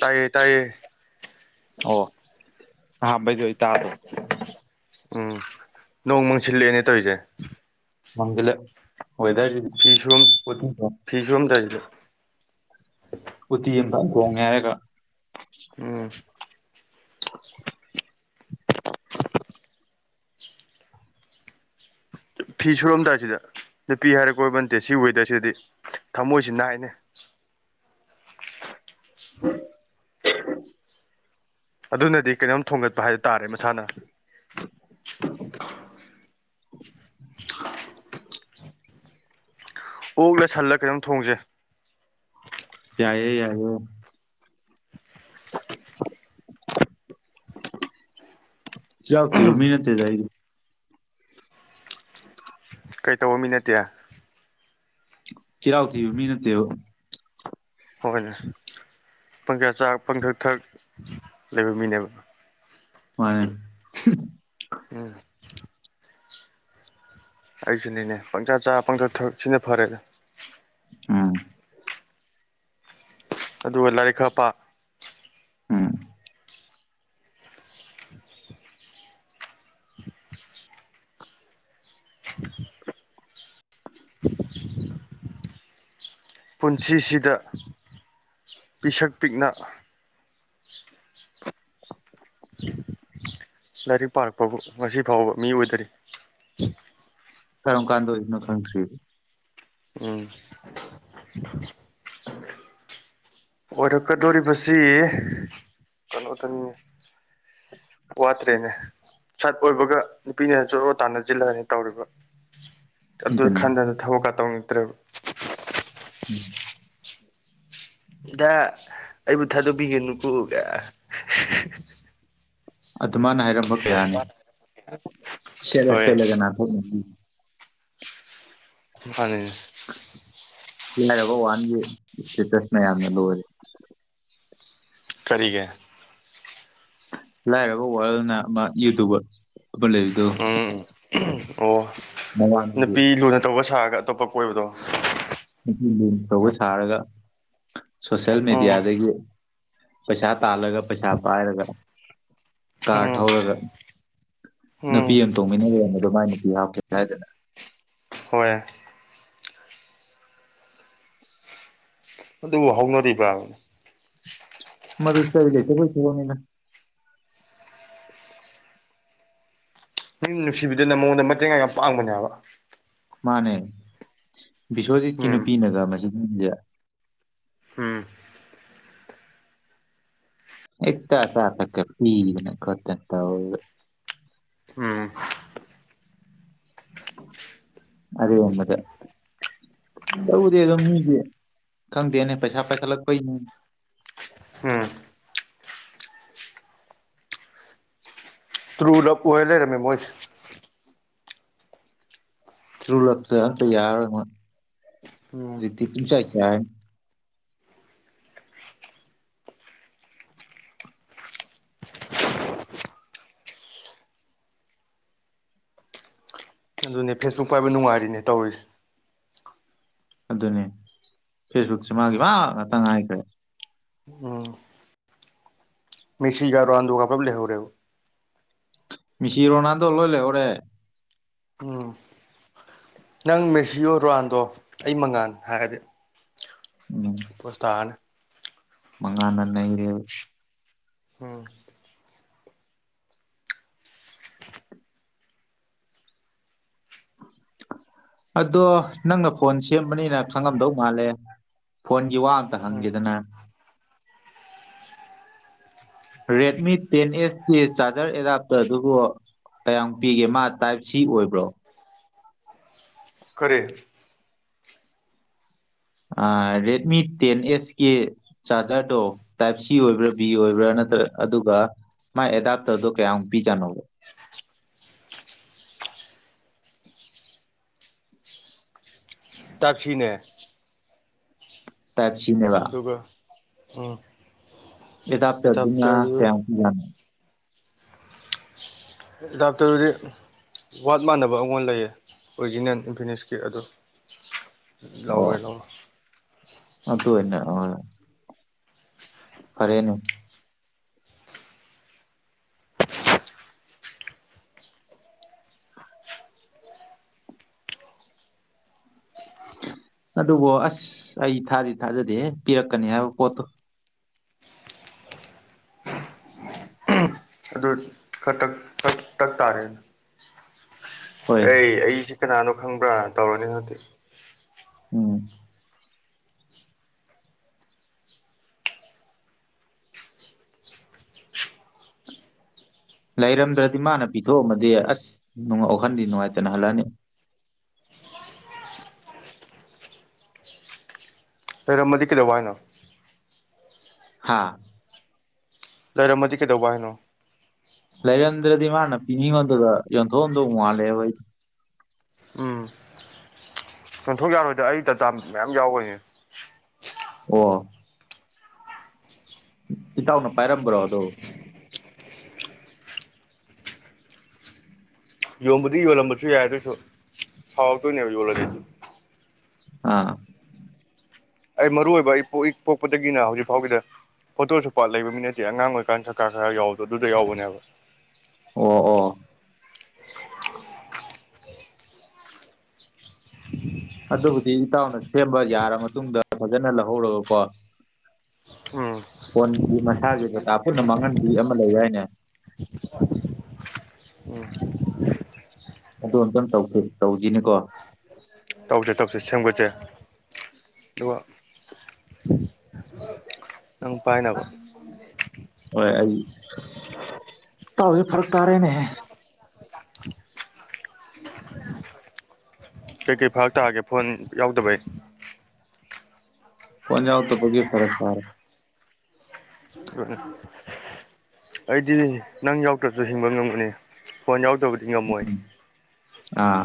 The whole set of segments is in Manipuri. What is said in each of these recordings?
ꯇꯥꯏꯌꯦ ꯇꯥꯏꯌꯦ ꯑꯍꯥꯝꯕꯩꯗꯣ ꯑꯩ ꯇꯗꯕ ꯎꯝ ꯅꯣꯡ ꯃꯪꯁꯤꯜꯂꯑꯦꯅꯦ ꯇꯧꯏꯖꯦ ꯐꯤ ꯁꯨꯔꯝ ꯐꯤ ꯁꯨꯔꯝꯗꯥꯏꯁꯤꯗ [unintelligible] ꯎꯠꯇꯤ ꯑꯝꯇꯪ ꯊꯣꯡꯉꯩ ꯍꯥꯏꯔꯒ ꯎꯝ [inaudible] ꯐꯤ ꯁꯨꯔꯝꯗꯥꯏꯁꯤꯗ ꯅꯨꯄꯤ ꯍꯥꯏꯔꯦ ꯀꯣꯏꯕꯠꯇꯦ ꯁꯤ ꯋꯦꯗꯔꯁꯤꯗꯤ ꯊꯃꯣꯏꯁꯤ ꯅꯥꯏꯅꯦ [inaudible] ꯑꯗꯨꯅꯗꯤ ꯀꯩꯅꯣꯝ ꯊꯣꯡꯒꯠꯄ ꯍꯥꯏꯗ ꯇꯥꯔꯦ ꯃꯁꯥꯅ [inaudible] ꯑꯣꯛꯂ ꯁꯜꯂ ꯀꯩꯅꯣꯝ ꯊꯣꯡꯁꯦ ꯌꯥꯏꯌꯦ ꯌꯥꯏꯌꯦ [inaudible] ꯆꯥꯛ ꯊꯤꯕ ꯃꯤꯅ ꯊꯤꯗꯥꯏꯅꯩ ꯀꯩ ꯇꯧꯕ ꯃꯤ ꯅꯠꯇꯦ ꯆꯤꯔꯥꯎ ꯊꯤꯕ ꯃꯤꯅ ꯊꯤꯑꯣ ꯍꯣꯏꯅꯦ ꯄꯪꯆꯥ ꯆꯥ ꯄꯪꯊꯛ ꯊꯛ ꯂꯩꯕ ꯃꯤꯅꯦꯕ ꯃꯥꯅꯦ ꯍꯨꯡ ꯎꯝ ꯑꯩꯁꯨꯅꯤꯅꯦ ꯄꯪꯆꯥꯥ ꯆꯥ ꯄꯪꯊꯛ ꯊꯛ ꯁꯤꯅꯦ ꯐꯔꯦꯗ ꯑꯝ ꯑꯗꯨꯒ ꯂꯥꯏꯔꯤꯛ ꯈꯞꯄ ꯎꯝ ꯄꯨꯟꯁꯤꯁꯤꯗ ꯄꯤꯁꯛ ꯄꯤꯛꯅ [inaudible] ꯂꯥꯏꯔꯤꯛ ꯄꯥꯔꯛꯄꯕꯨ ꯉꯁꯤ ꯐꯥꯎꯕ ꯃꯤ ꯑꯣꯏꯗꯔꯤ ꯈꯔꯝ ꯀꯥꯟꯗ ꯏꯗꯨꯅ ꯈꯔꯪ ꯊ ꯎꯝ ꯑꯣꯏꯔꯛꯀꯗꯣꯔꯤꯕꯁꯤ ꯀꯩꯅꯣꯗꯅꯤ ꯋꯥꯠꯇꯔꯔꯤꯅꯦ ꯁꯠ ꯑꯣꯏꯕꯒ ꯅꯨꯄꯤꯅꯅ ꯆꯣꯠꯂꯣ ꯇꯥꯟꯅꯁꯤꯜꯂꯅꯤ ꯇꯧꯔꯤꯕ ꯑꯗꯨ ꯑꯗꯨꯅꯦ ꯈꯟꯗꯅ ꯊꯕꯛꯀ ꯇꯧꯅꯤꯡꯛꯇ꯭ꯔꯦꯕ ꯎꯝ ꯗ ꯑꯩꯕꯨ ꯊꯥꯗꯣꯛꯄꯤꯒꯅꯨꯀꯣꯒ ꯑꯗꯨ ꯃꯥꯅ ꯍꯥꯏꯔꯝꯕ ꯀꯌꯥꯅꯤ ꯁꯦꯠꯂ ꯍꯣꯏ ꯁꯦꯠꯂꯒ ꯅꯥꯊꯣꯛꯄꯤ ꯑꯅꯤ ꯍꯥꯏꯔꯕ ꯋꯥꯟꯒꯤ ꯏꯁꯇꯦꯇꯁ ꯃꯌꯥꯝꯅ ꯂꯣꯏꯔꯦ ꯀꯔꯤꯒꯦ ꯂꯥꯏꯔꯒ ꯋꯥꯔꯜꯅ ꯑꯃ ꯌꯨꯇꯨꯕ ꯎꯝ ꯑꯣ ꯃꯃꯥꯡꯒꯤ ꯅꯨꯄꯤ ꯂꯨꯅ ꯇꯧꯕ ꯁꯥꯒꯒ ꯑꯇꯣꯞꯄ ꯀꯣꯏꯕꯗꯣ ꯆꯧꯕ ꯁꯥꯔꯒ ꯁꯣꯁꯦꯜ ꯎꯝ ꯃꯦꯗꯤꯌꯥꯗꯒꯤ ꯄꯩꯁꯥ ꯇꯥꯜꯂꯒ ꯄꯩꯁꯥ ꯄꯥꯏꯔꯒ ꯀꯥꯔ ꯎꯝ ꯊꯧꯔꯒ ꯎꯝ ꯅꯨꯄꯤ ꯑꯃ ꯇꯣꯡꯃꯤꯟꯅꯔꯦ ꯃꯗꯣ ꯃꯥꯏ ꯅꯨꯄꯤ ꯍꯥꯞꯀꯦ ꯍꯥꯏꯗꯅ ꯍꯣꯏ ꯑꯗꯨꯕꯨ ꯍꯧꯅꯔꯤꯕ꯭ꯔ ꯃꯗꯨ ꯆꯔꯤꯒꯩꯁꯤꯦꯩ ꯁꯅ ꯃꯤꯪ ꯅꯨꯡꯁꯤꯕꯤꯗꯅ ꯃꯉꯣꯟꯗ ꯃꯇꯦꯡ ꯌꯥꯝ ꯌꯥꯝ ꯄꯥꯡꯕꯅꯦꯕ ꯃꯥꯅꯦ ꯕꯤꯁꯣꯖꯤꯠꯀꯤ ꯎꯝ ꯅꯨꯄꯤꯅꯒ ꯃꯁꯤꯁꯦ ꯎꯝ ꯑꯦ ꯇꯥꯁꯊꯀꯦ ꯐꯅꯠꯇꯠꯇ ꯍ ꯎꯝ ꯑꯗꯣ ꯃꯔ ꯂꯧꯗꯦ ꯑꯗꯨꯝ ꯃꯤꯗꯤ ꯈꯪꯗꯦꯅꯦ ꯄꯩꯁꯥ ꯄꯥꯏꯈꯠꯂꯛꯄꯩꯅꯦ ꯎꯝ ꯇ꯭ꯔꯨ ꯂꯞ ꯑꯣꯏꯔ ꯂꯩꯔꯝꯃꯦ ꯃꯣꯏꯁꯦ ꯊ꯭ꯔꯨꯂꯞ ꯆ ꯅꯇ ꯌꯥ ꯎꯝ ꯔꯔꯤꯗꯤ ꯄꯁ ꯀ ꯑꯗꯨꯅꯦ ꯐꯦꯁꯕꯨꯛ ꯄꯥꯏꯕ ꯅꯨꯡꯉꯥꯏꯔꯤꯅꯦ ꯇꯧꯔꯤꯁꯦ ꯑꯗꯨꯅꯦ ꯐꯦꯁꯕꯨꯛꯁꯤꯦ ꯃꯥꯒꯤ ꯃꯥ ꯉꯥꯛꯇꯪ ꯍꯥꯏꯥꯏꯈ꯭ꯔꯦ ꯃꯦꯁꯤꯒꯔꯟꯗ ꯀꯄꯔ ꯂꯦꯍꯧꯔꯦꯣ ꯃꯤꯁꯤꯤ ꯔꯣꯅꯥꯜꯗꯣ ꯂꯣꯏ ꯂꯦꯍꯔꯦ ꯎꯝ ꯅꯪ ꯃꯦꯁꯤꯌꯣ ꯔꯣꯅꯥꯜꯗꯣ ꯑꯩ ꯃꯉꯥꯟ ꯍꯥꯏꯔꯗꯤ ꯄꯁꯊꯥꯟ ꯃꯒꯅ ꯅ ꯔꯦ ꯎꯝ [inaudible] ꯑꯗꯣ ꯅꯪꯅ ꯐꯣꯟ ꯁꯦꯝꯕꯅꯤꯅ ꯈꯪꯉꯝꯗꯧ ꯃꯥꯜꯂꯦ ꯐꯣꯟꯒꯤ ꯋꯥ ꯑꯝꯇ ꯎꯝ ꯍꯪꯈꯤꯦꯗꯅ [unintelligible] ꯔꯦꯗꯃꯤ ꯇꯦꯟ ꯑꯦꯁꯀꯤ ꯆꯥꯔꯖꯔ ꯑꯦꯗꯥꯞꯇꯔ ꯑꯗꯨꯕꯨ ꯀꯌꯥꯝ ꯄꯤꯒꯦ ꯃꯥ ꯇꯥꯏꯞ ꯁꯤ ꯑꯣꯏꯕ꯭ꯔꯣ ꯀꯔꯦ ꯔꯦꯗꯃꯤ ꯇꯦꯟ ꯑꯦꯁꯀꯤ ꯆꯥꯔꯖꯔꯗꯣ ꯇꯥꯏꯞ ꯁꯤ ꯑꯣꯏꯕ꯭ꯔꯥ ꯕꯤ ꯑꯣꯏꯕ꯭ꯔꯥ ꯅ ꯅꯠꯇ꯭ꯔ ꯑꯗꯨꯒ ꯃꯥꯥꯏ ꯑꯦꯗꯥꯞꯇꯗꯣ ꯀꯌꯥꯃꯨꯛ ꯄꯤꯖꯥꯠꯅꯣ ꯇꯥꯛꯁꯤꯅꯦ ꯇ ꯑꯗꯨꯒ ꯎꯝ ꯏꯗꯞ ꯆꯗ ꯑꯦꯗꯥꯞꯇꯔꯗꯨ ꯀꯌꯥ ꯌꯥ ꯗ ꯇꯔꯗꯤ ꯋꯥꯠ ꯃꯥꯟꯅꯕ ꯑꯩꯉꯣꯟ ꯂꯩꯌꯦ ꯑꯣꯔꯤꯖꯤꯅꯦꯜ ꯏꯝꯐꯤꯅꯤꯁꯀꯤ ꯑꯗꯨ ꯂꯧꯔꯦ ꯂꯧꯔꯣ ꯑ ꯑꯗꯨꯟꯅ ꯑ ꯐꯔꯦꯅꯨ ꯑꯗꯨꯕꯨ ꯑꯁ ꯑꯩ ꯊꯥꯗꯤ ꯊꯥꯖꯗꯦ ꯄꯤꯔꯛꯀꯅꯤ ꯍꯥꯏꯕ ꯄꯣꯠꯇꯣ ꯎꯝ ꯎ ꯑꯗꯨ ꯈꯛꯇꯛ ꯇꯛ ꯇꯥꯔꯦ ꯍꯣꯏ ꯑꯩ ꯑꯩꯁꯤ ꯀꯅꯥꯅꯣ ꯈꯪꯕ꯭ꯔꯥ ꯇꯧꯔꯅꯤ ꯍꯧꯗꯤ ꯎꯝ ꯂꯩꯔꯝꯗ꯭ꯔꯗꯤ ꯃꯥꯅ ꯄꯤꯊꯣꯛꯑꯝꯃꯗꯤ ꯑꯁ ꯋꯥꯈꯟꯗꯤ ꯅꯨꯡꯉꯥꯏꯇꯅ ꯍꯜꯂꯛꯑꯅꯤ ꯂꯩꯔꯝꯃꯗꯤ ꯀꯩꯗꯧ ꯍꯥꯏꯅꯣ ꯍꯥꯥ ꯂꯩꯔꯝꯃꯗꯤ ꯀꯩꯗꯧꯕ ꯍꯥꯏꯅꯣ ꯂꯩꯔꯝꯗ꯭ꯔꯗꯤ ꯃꯥꯅ ꯄꯤꯅꯤꯡꯉꯣꯟꯗꯨꯗ ꯌꯣꯟꯊꯣꯛ ꯑꯣꯟꯊꯣꯛ ꯃꯥꯜꯂꯦꯕꯣꯏ ꯎꯝ ꯌꯣꯟꯊꯣꯛ ꯌꯥꯔꯣꯏꯗ ꯑꯩ ꯗꯇꯥ ꯃꯌꯥꯝ ꯌꯥꯎꯕꯣꯏꯅꯦ ꯑꯣ ꯏꯇꯥꯎꯅ ꯄꯥꯏꯔꯝꯕ꯭ꯔꯣ ꯑꯗꯣ ꯌꯣꯟꯕꯗꯤ ꯌꯣꯜꯂꯝꯕꯁꯨ ꯌꯥꯏ ꯑꯗꯨꯏꯁꯨ ꯁꯥꯎꯔꯛꯇꯣꯏꯅꯦꯕ ꯌꯣꯜꯂꯒꯁꯨ ꯑꯥ ꯑꯩ ꯃꯔꯨ ꯑꯣꯏꯕ ꯑꯩ ꯄꯣꯛ ꯄꯣꯛꯄꯗꯒꯤꯅ ꯍꯧꯖꯤꯛ ꯐꯥꯎꯒꯤꯗ ꯐꯣꯇꯣꯁꯨ ꯄꯥꯠ ꯂꯩꯕ ꯃꯤ ꯅꯠꯇꯦ ꯑꯉꯥꯡ ꯑꯣꯏꯔꯤꯀꯥꯟ ꯁꯔ ꯈꯔ ꯈꯔ ꯌꯥꯎꯕꯗꯣ ꯑꯗꯨꯗ ꯌꯥꯎꯕꯅꯦꯕ ꯑꯣ ꯑꯣ [unintelligible] ꯑꯗꯨꯕꯨꯗꯤ ꯏꯇꯥꯎꯅ ꯁꯦꯝꯕ ꯌꯥꯔ ꯃꯇꯨꯡꯗ ꯐꯖꯅ ꯂꯧꯍꯧꯔꯒꯀꯣ ꯎꯝ ꯐꯣꯟꯒꯤ ꯃꯁꯥꯒꯤ ꯗꯇꯥ ꯄꯨꯟꯅ ꯃꯥꯡꯍꯟꯕꯤ ꯑꯃ ꯂꯩ ꯍꯥꯏꯅꯦ [inaudible] ꯎꯝ ꯑꯗꯨ ꯑꯃꯝꯇꯪ ꯇꯧꯁꯤ ꯇꯧꯁꯤꯅꯤꯀꯣ ꯇꯧꯁꯦ ꯇꯧꯁꯦ ꯁꯦꯝꯒꯠꯁꯦ ꯑꯗꯨꯒ ꯅꯪ ꯄꯥꯏꯅꯕ ꯍꯣꯏ ꯑꯩ ꯇꯥꯎꯁꯦ ꯐꯔꯛ ꯇꯥꯔꯦꯅꯦꯍꯦ ꯀꯩꯀꯩ ꯐꯔꯛ ꯇꯥꯒꯦ ꯐꯣꯟ ꯌꯥꯎꯗꯕꯩ ꯐꯣꯟ ꯌꯥꯎꯛꯇ ꯄꯦ ꯐꯔꯛ ꯇꯥꯔꯦ ꯑꯩꯗꯤ ꯅꯪ ꯌꯥꯎꯗ꯭ꯔꯁꯨ ꯍꯤꯡꯕ ꯉꯝꯒꯅꯤ ꯐꯣꯏꯣꯟ ꯌꯥꯎ ꯠꯇꯣꯕꯨꯗꯤ ꯉꯝꯃꯣꯏ ꯑꯥ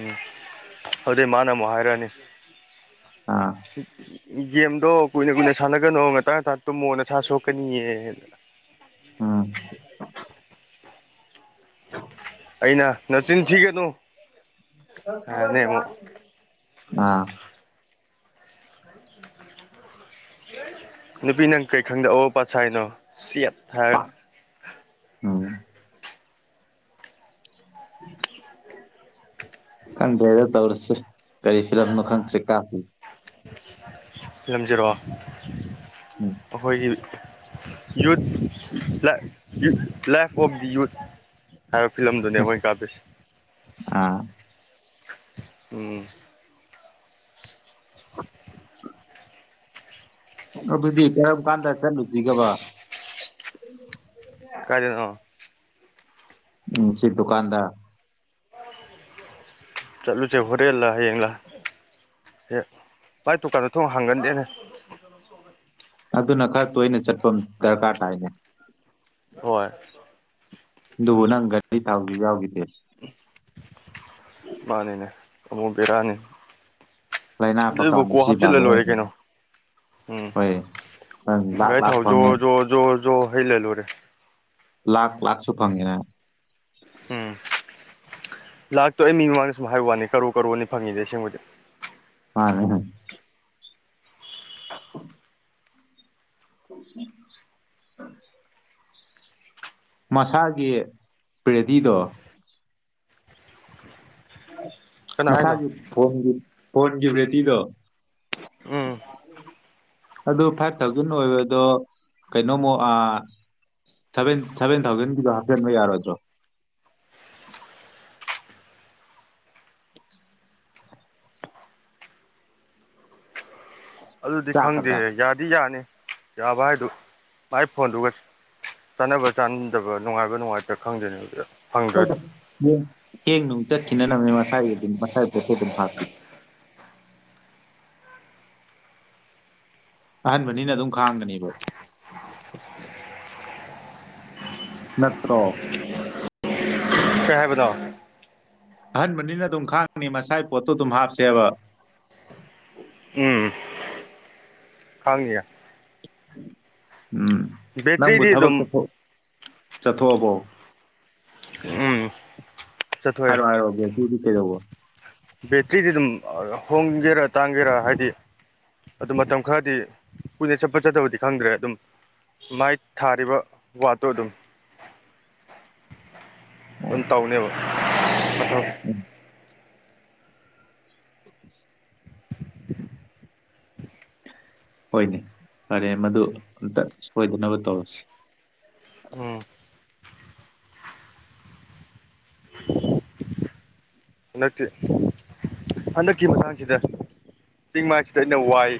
ꯎꯝ ꯑꯗꯨꯩ ꯃꯥꯅ ꯑꯃꯨꯛ ꯍꯥꯏꯔꯛꯑꯅꯤ ꯑꯥ ꯒꯦꯝꯗꯣ ꯀꯨꯏꯅ ꯀꯨꯏꯅ ꯁꯥꯟꯅꯒꯅꯨ ꯉꯇꯥꯡ ꯉ ꯇꯨꯝꯃꯣꯅꯁ ꯁꯣꯛꯀꯅꯤꯌꯦꯗꯅ ꯎꯝ ꯑꯩꯅ ꯅꯔꯁꯤꯅ ꯊꯒꯦ ꯇꯨ ꯑꯥ ꯅꯨꯄꯤ ꯅꯪ ꯀꯩ ꯈꯪꯗ ꯑ ꯄꯁ ꯍꯥꯏꯅꯣ ꯊꯥꯔ ꯍ ꯀꯗ ꯇꯧꯔꯁꯤꯦ ꯀꯔꯤ ꯐꯤꯂꯝꯅ ꯈꯟꯁ꯭ꯔꯤ ꯀꯥꯁꯤꯤ ꯎꯝ ꯂꯝꯖꯔꯛꯑꯣ ꯑꯩꯈꯣꯏꯒꯤ youth life of the youth ꯍꯥꯏꯕ ꯐꯤꯂꯝꯗꯨꯅꯦ ꯃꯈꯣꯏ ꯀꯥꯞꯄꯤꯣꯏꯁ ꯑꯥ ꯎꯝ ꯗꯤ ꯀꯔ ꯀꯥꯟꯗ ꯆꯠꯂꯨꯁꯤꯒꯕ ꯀꯗꯅꯣ ꯎꯝ ꯁꯤ ꯗꯨ ꯀꯥꯟꯗ ꯆꯠꯂꯁꯦ ꯍꯣꯔꯦꯂ ꯌꯦꯌꯦꯂ ꯑꯦ ꯚꯥꯏ ꯇꯣꯀꯥꯟꯗ ꯊꯣꯡ ꯍꯥꯡꯒꯟꯗꯦꯅꯦ ꯑꯗꯨꯅ ꯈꯔ ꯇꯣꯏꯅ ꯆꯠꯄ ꯗꯔꯀꯥꯔ ꯇꯥꯏꯅꯦ ꯍꯣꯏ ꯑꯗꯨ ꯅꯪ ꯗꯤ ꯊꯥꯎ ꯌꯥꯎꯗꯦ ꯎꯝ ꯃꯥꯅꯤꯅꯦ ꯑꯃꯕꯨꯕꯤꯔꯥꯅꯤ ꯂꯥꯏꯅꯥ ꯄꯀꯥ ꯑꯗꯨꯏꯕꯨ ꯀꯣ ꯃꯁꯤ ꯍꯥꯞꯆꯤꯜꯂ ꯕꯥꯂꯣ ꯂꯣꯏꯔꯦ ꯀꯩꯅꯣ ꯎꯝ ꯍꯣꯏ ꯅꯪ ꯂꯥꯛ ꯒꯥꯏ ꯂꯥꯛ ꯊꯥꯎ ꯖꯣ ꯐꯪꯉꯦ ꯖꯣ ꯖꯣ ꯖꯣ ꯍꯩ ꯂꯩ ꯂꯨꯔꯦ ꯂꯥꯛ ꯂꯥꯛꯥꯛꯁꯨ ꯐꯪꯉꯔ ꯎꯝ ꯂꯥꯛꯇꯣꯏ ꯑꯩ ꯃꯤ ꯃꯃꯥꯡꯗ ꯁꯨꯝ ꯍꯥꯏꯕ ꯋꯥꯅꯤ ꯀꯔꯣ ꯀꯔꯣꯅꯤ ꯐꯪꯉꯤꯗ ꯑꯁꯦꯡꯕꯗꯤ ꯍ ꯎꯝ ꯎꯝ ꯃꯁꯥꯒꯤ ꯄ꯭ꯔꯦꯗꯤꯗꯣ ꯀꯅꯥ ꯍꯥꯏꯅꯣ ꯃꯁꯥꯒꯤ ꯐꯣꯟ ꯐꯣꯟꯒꯤ ꯕꯦꯇꯤꯗꯣ ꯎꯝ ꯑꯗꯨ ꯐꯥꯏꯚ ꯊꯥꯎꯖꯟ ꯑꯣꯏꯕꯗꯣ ꯀꯩꯅꯣꯃꯨ ꯁꯚꯦꯟ ꯁꯚꯦꯟ ꯊꯥꯎꯖꯟꯒꯤꯗꯣ ꯍꯥꯞꯆꯤꯟꯕ ꯌꯥꯔꯣꯏꯗ꯭ꯔꯣ ꯑꯗꯨꯗꯤ ꯆꯥꯛꯀꯗ꯭ꯔꯥ ꯈꯪꯗꯦꯍꯦ ꯌꯥꯗꯤ ꯌꯥꯅꯤ ꯌꯥꯕ ꯍꯥꯏꯗꯨ ꯃꯥꯏ ꯐꯣꯟꯗꯨꯒ ꯆꯥꯟꯅꯕ ꯆꯥꯟꯅꯗꯕ ꯅꯨꯡꯉꯥꯏꯕ ꯅꯨꯡꯉꯥꯏꯇ ꯈꯪꯗꯅꯤ ꯍꯣꯏꯗ ꯍꯦꯡ ꯅꯨꯡ ꯆꯠꯈꯤꯅꯅꯕꯅꯦ ꯃꯁꯥꯒꯤ ꯑꯗꯨꯝ ꯃꯁꯥꯒꯤ ꯄꯣꯠꯇꯣ ꯑꯗꯨꯝ ꯍꯥꯞꯄꯤ ꯑꯍꯥꯟꯕꯅꯤꯅ ꯑꯗꯨꯝ ꯈꯥꯡꯒꯅꯦꯕ ꯅꯠꯇ꯭ꯔꯣ ꯀꯍꯦꯕꯗꯥꯑꯣ ꯑꯍꯟꯕꯅꯤꯅ ꯑꯗꯨꯝ ꯈꯥꯡꯅꯤ ꯃꯁꯥꯏꯒꯤ ꯄꯣꯠꯇꯣ ꯑꯗꯨꯝ ꯍꯥꯞꯁꯦꯕ ꯎꯝ ꯍꯥꯡꯒꯌꯥ ꯎꯝ ꯅꯪꯕꯨ ꯕꯦꯇ꯭ꯔꯤꯗꯤ ꯊꯕꯛ ꯑꯗꯨꯝ ꯆꯠꯊ ꯆꯠꯊꯣꯛꯑꯕꯣ ꯎꯝ ꯆꯠꯊꯣꯛꯑꯦ ꯍꯥꯏꯔꯣ ꯍꯥꯏꯔ ꯁꯤꯗꯤꯩꯗꯧꯕꯣ ꯕꯦꯇ꯭ꯔꯤꯗꯤ ꯑꯗꯨꯝ ꯍꯣꯡꯒꯦꯔꯥ ꯇꯥꯡꯒꯦꯔ ꯍꯥꯏꯗꯤ ꯑꯗꯨ ꯃꯇꯝ ꯈꯔꯗꯤ ꯀꯨꯏꯅ ꯆꯠꯄ ꯆꯠꯇꯕꯗꯤ ꯈꯪꯗ꯭ꯔꯦ ꯑꯗꯨꯝ ꯃꯥꯏ ꯊꯥꯔꯤꯕ ꯋꯥꯠꯇꯣ ꯑꯗꯨꯝ ꯑꯗꯨꯝ ꯑꯣ ꯇꯧꯅꯦꯕ ꯎꯝ ꯍꯣꯏꯅꯦ ꯐꯔꯦ ꯃꯗꯨ ꯑꯝꯇ ꯁꯣꯏꯗꯅꯕ ꯇꯧꯔꯁꯤ ꯎꯝ [unintelligible] ꯅꯠꯇꯦ ꯍꯟꯗꯛꯀꯤ ꯃꯇꯥꯡꯁꯤꯗ ꯆꯤꯡ ꯃꯥꯏꯁꯤꯗ ꯑꯩꯅ ꯋꯥꯏ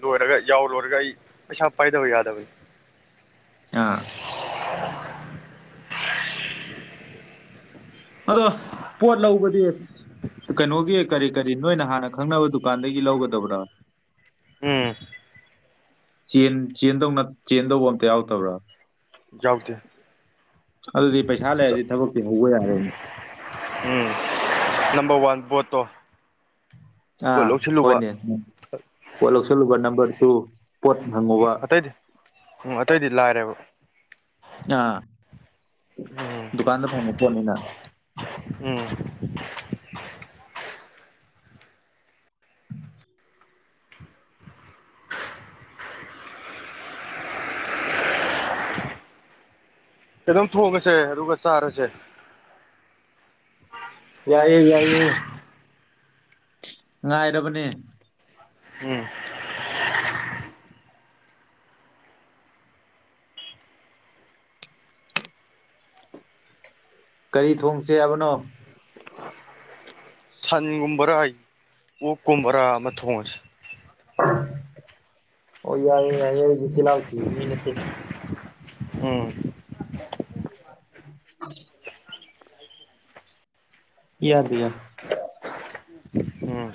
ꯂꯣꯏꯔꯒ ꯌꯥꯎ ꯂꯣꯏꯔꯒ ꯑꯩ ꯄꯩꯁꯥ ꯄꯥꯏꯗꯕ ꯌꯥꯗꯕꯩ ꯑꯥ ꯑꯗꯣ ꯄꯣꯠ ꯂꯕ ꯀꯩꯅꯣꯒꯤ ꯀꯔꯤ ꯀꯔꯤ ꯅꯣꯏꯅ ꯍꯥꯟꯅ ꯈꯪꯅꯕ ꯗꯨꯀꯥꯟꯗꯒꯤ ꯂꯧꯒꯗꯕ꯭ꯔꯥ ꯎꯝ ꯆ ꯆꯦꯟꯗ ꯆꯦꯟꯗꯧꯕ ꯑꯝꯇ ꯌꯥꯎꯗꯕ꯭ꯔꯥ ꯌꯥꯎꯗ ꯑꯗꯨꯗꯤ ꯄꯩꯁꯥ ꯂꯩꯔꯗꯤ ꯊꯕꯛꯇꯤ ꯍꯧꯕ ꯌꯥꯔꯦꯅꯦ ꯄꯣꯠꯇꯣ ꯑꯥ ꯍꯣꯏꯅꯦ ꯑꯣꯂ ꯁꯣ ꯂꯨꯒ ꯅꯝꯕꯝꯕꯔ ꯇꯨ ꯄꯣꯠ ꯐꯪꯉꯨꯕ ꯑꯇꯩꯗꯤ ꯎꯝ ꯑꯇꯩꯗꯤ ꯂꯥꯏꯔꯦꯕ ꯑꯥ ꯎꯝ ꯗꯨꯀꯥꯟꯗ ꯐꯪꯉꯄꯅꯤꯅ ꯎꯝ ꯑꯩ ꯑꯗꯨꯝ ꯊꯣꯡꯉꯁꯦ ꯑꯗꯨꯒ ꯆꯥꯔꯁꯦ ꯌꯥꯏꯌꯦ ꯌꯥꯏꯌꯦ ꯉꯥꯏꯔꯕꯔꯕꯅꯦ ꯎꯝ ꯀꯔꯤ ꯊꯣꯡꯁꯦ ꯍꯥꯏꯕꯅꯣ ꯁꯟꯒꯨꯝꯕꯔꯥ ꯑꯩ ꯑꯣꯛꯀꯨꯝꯕꯔꯥ ꯑꯃ ꯊꯣꯡꯉꯁꯦ ꯑꯣ ꯌꯥꯏ ꯌꯥ ꯐꯤꯂ ꯊ ꯃꯦ ꯎꯝ [unintelligible] ꯌꯥꯗ ꯌꯥ ꯎꯝ